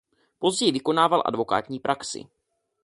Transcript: Později vykonával advokátní praxi.